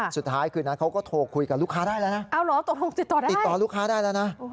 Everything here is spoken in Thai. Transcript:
สุดท้ายคือนั้นเขาก็โทรคุยกับลูกค้าได้แล้วนะ